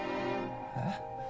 えっ？